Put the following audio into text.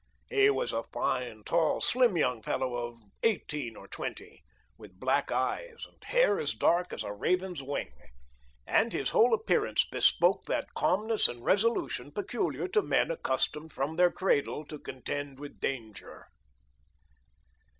He was a fine, tall, slim young fellow of eighteen or twenty, with black eyes, and hair as dark as a raven's wing; and his whole appearance bespoke that calmness and resolution peculiar to men accustomed from their cradle to contend with danger.